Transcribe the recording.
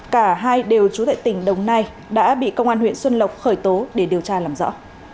cả hai đều trú tại tỉnh đồng nai đã bị công an huyện xuân lộc khởi tố để điều tra làm rõ